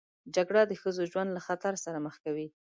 جګړه د ښځو ژوند له خطر سره مخ کوي